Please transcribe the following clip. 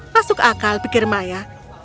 masuk akal pikir maya